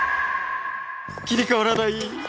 切り替わらない！